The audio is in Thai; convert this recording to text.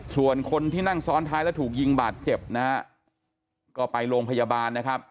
ส่วนคนที่นั่งซ้อนท้ายแล้วถูกยิงบาดเจ็บนะฮะก็ไปโรงพยาบาลนะครับ